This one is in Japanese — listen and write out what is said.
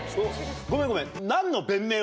ごめんごめん。